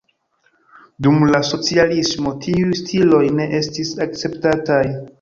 Dum la socialismo tiuj stiloj ne estis akceptataj.